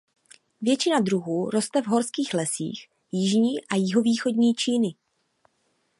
Většina druhů roste v horských lesích jižní a jihovýchodní Číny.